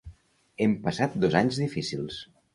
Hem passat dos anys difícils.